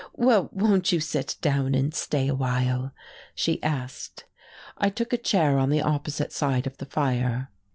"Well, won't you sit down and stay awhile?" she asked. I took a chair on the opposite side of the fire.